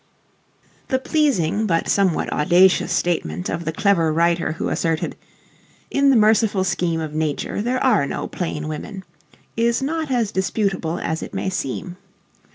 The pleasing, but somewhat audacious statement of the clever writer who asserted, "In the merciful scheme of nature, there are no plain women," is not as disputable as it may seem.